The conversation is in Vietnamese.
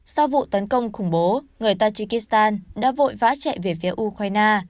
sau vụ tấn công khủng bố người tajikistan đã vội vã chạy về phía ukraine